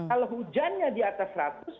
kalau hujannya di atas seratus